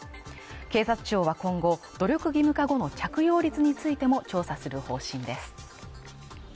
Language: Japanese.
警察庁は今後、努力義務化後の着用率についても調査する方針です。